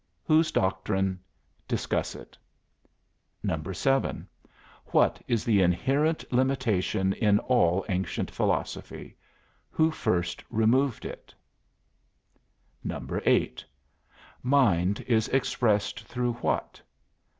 Whose doctrine? Discuss it. 7. What is the inherent limitation in all ancient philosophy? Who first removed it? 8. Mind is expressed through what?